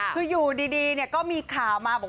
คืออยู่ดีก็มีข่าวมา